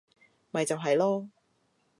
咪就係囉